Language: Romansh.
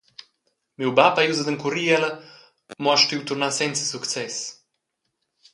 Miu bab ei ius ad encurir ella, mo ha stuiu turnar senza success.